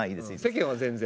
世間は全然。